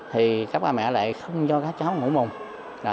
thì các bà mẹ lại không cho các cháu ngủ mùng